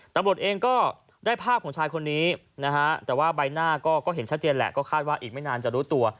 ตำรวจเองก็ได้ภาพของชายคนนี้นะฮะแต่ว่าใบหน้าก็เห็นชัดเจนแหละก็คาดว่าอีกไม่นานจะรู้ตัว